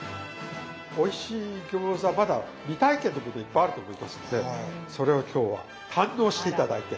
おいしい餃子はまだ未体験の部分がいっぱいあると思いますのでそれを今日は堪能して頂いて。